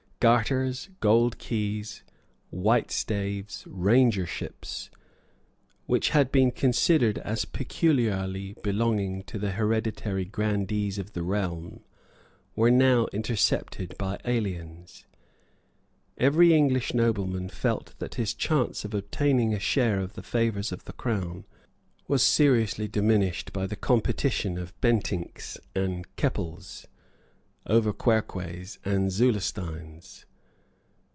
Garters, gold keys, white staves, rangerships, which had been considered as peculiarly belonging to the hereditary grandees of the realm, were now intercepted by aliens. Every English nobleman felt that his chance of obtaining a share of the favours of the Crown was seriously diminished by the competition of Bentincks and Keppels, Auverquerques and Zulesteins.